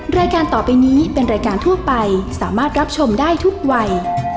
รายการต่อไปนี้เป็นรายการทั่วไปสามารถรับชมได้ทุกวัย